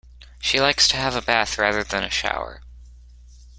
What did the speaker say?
She likes to have a bath rather than a shower